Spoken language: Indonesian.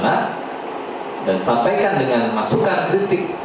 dan sampaikan dengan masukan kritik